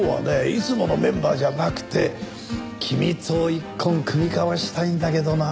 いつものメンバーじゃなくて君と一献酌み交わしたいんだけどな。